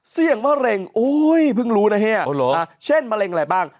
เสี่ยงมะเร็งโอ้ยเพิ่งรู้นะเฮียเช่นมะเร็งอะไรบ้าง